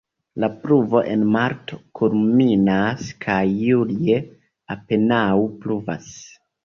La pluvo en marto kulminas kaj julie apenaŭ pluvas.